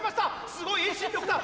すごい遠心力だ！